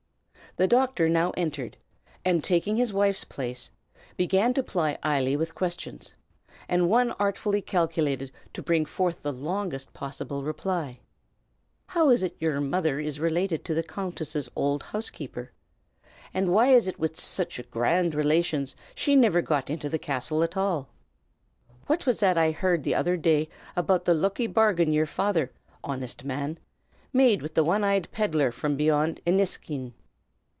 The doctor now entered, and taking his wife's place, began to ply Eily with questions, each one artfully calculated to bring forth the longest possible reply: "How is it yer mother is related to the Countess's auld housekeeper, avick; and why is it, that wid sich grand relations she niver got into the castle at all?" "Phwhat was that I h'ard the other day about the looky bargain yer father honest man! made wid the one eyed peddler from beyant Inniskeen?"